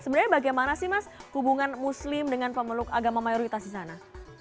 sebenarnya bagaimana sih mas hubungan muslim dengan pemeluk agama mayoritas di sana